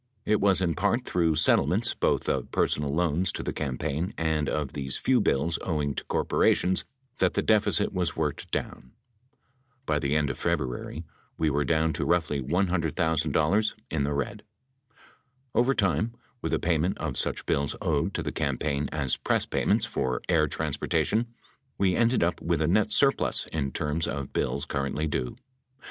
It was in part through settlements, both of personal loans to the campaign and of these few bills owing to corporations, that the deficit was worked down. By the end of February we werfe down to 557 roughly $100,000 in the red. Over time, with the payment of such bills owed to the campaign as press payments for air transportation, we ended up with a net surplus in terms of bills currently due.